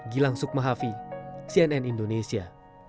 gilang sukmahavi cnn indonesia